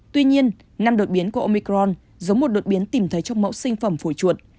tuy nhiên năm đột biến của omicron giống một đột biến tìm thấy trong mẫu sinh phẩm phổi chuột